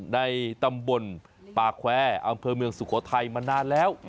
ในตำบลป่าแควร์อำเภอเมืองสุโขทัยมานานแล้ว